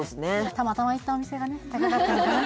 たまたま行ったお店がね高かったのかな？